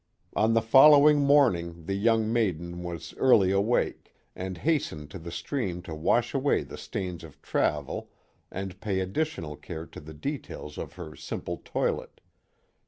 On the following morning the young maiden was early awake, and hastened to the stream to wash away the stains of travel and pay additional care to the details of her simple toilet.